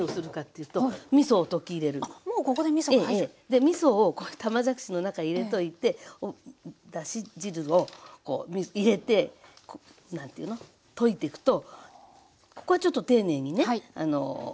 でみそを玉じゃくしの中に入れといてだし汁をこう入れて何ていうの溶いてくとここはちょっと丁寧にね